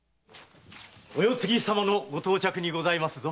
お世継ぎ様のご到着にございますぞ。